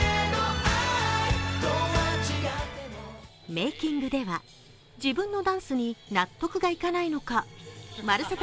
メイキングでは自分のダンスに納得がいかないのか「まるサタ」